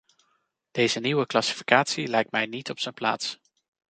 Deze nieuwe classificatie lijkt mij niet op zijn plaats.